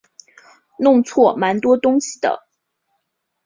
弄错蛮多东西的